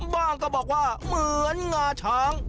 บ้างก็บอกว่าเหมือนงาช้าง